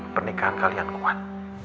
pernikahan kalian kuat